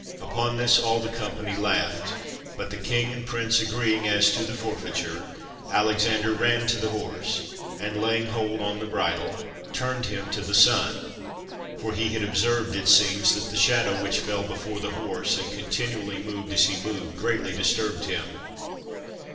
" Upon this all the company laughed ; but the king and prince agreeing as to the forfeiture, Alexander ran to the horse, and laying hold on the bridle, turned him to the sun, for he had observed, it seems, that the LESSONS AS INSTRUMENTS OF EDUCATION 287 shadow which fell before the horse, and continually moved as he moved, greatly disturbed him.